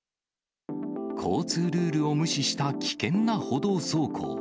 交通ルールを無視した危険な歩道走行。